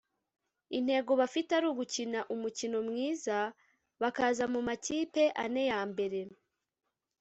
intego bafite ari ugukina umukino mwiza bakaza mu makipe ane ya mbere